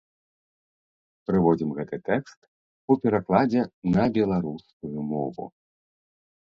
Прыводзім гэты тэкст у перакладзе на беларускую мову.